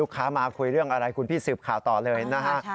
ค้ามาคุยเรื่องอะไรคุณพี่สืบข่าวต่อเลยนะฮะ